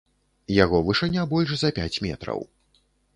Яго вышыня больш за пяць метраў.